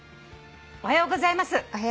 「おはようございます」